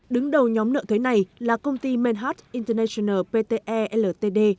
đứng đầu nhóm nợ thuế này là công ty manhart international pte ltd